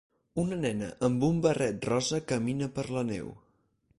Una nena amb un barret rosa camina per la neu.